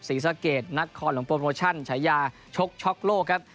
ศรีสะเกดนักคอนหลวงโปรโมชั่นฉายาชกช็อกโลกครับ